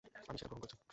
আমি সেটা গ্রহণ করেছি।